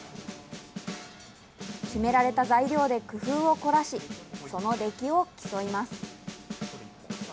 決められた材料で工夫を凝らし、その出来を競います。